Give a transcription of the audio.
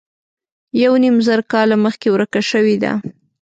یو نیم زر کاله مخکې ورکه شوې ده.